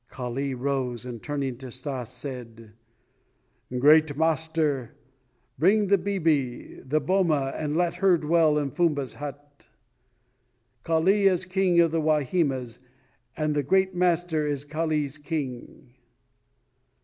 Kali rose and turning to Stas, said: "Great master, bring the 'bibi' to the boma and let her dwell in Fumba's hut. Kali is king of the Wahimas and the great master is Kali's king."